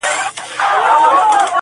مرغکیو به نارې پسي وهلې٫